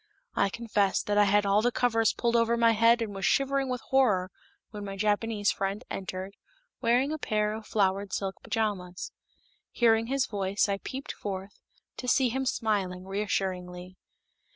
I confess that I had all the covers pulled over my head and was shivering with horror when my Japanese friend entered, wearing a pair of flowered silk pajamas. Hearing his voice, I peeped forth, to see him smiling reassuringly.